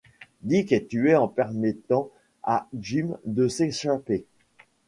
Dick est tué en permettant à Jim de s'échapper.